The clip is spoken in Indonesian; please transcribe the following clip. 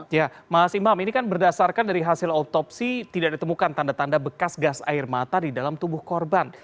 ya mas imam ini kan berdasarkan dari hasil otopsi tidak ditemukan tanda tanda bekas gas air mata di dalam tubuh korban